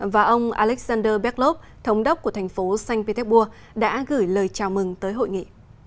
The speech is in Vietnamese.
và ông alexander beklop thống đốc của thành phố sanh petebua đã gửi lời chào mừng tới hội nghị